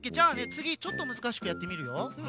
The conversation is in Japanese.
つぎちょっとむずかしくやってみるよ。